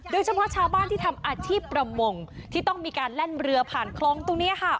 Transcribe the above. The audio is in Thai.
โดยเฉพาะชาวบ้านที่ทำอาชีพประมงที่ต้องมีการแล่นเรือผ่านคลองตรงนี้ค่ะ